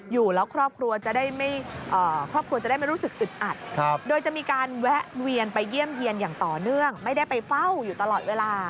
อยู่แล้วครอบครัวจะได้ไม่รู้สึกอึดอัด